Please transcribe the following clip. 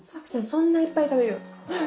そんないっぱい食べよる？